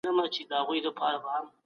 د بل ورور مال په ناحقه مه اخلئ.